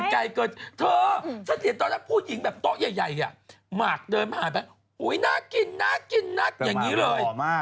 คุณผู้หญิงชอบน่ะเถอะพอมา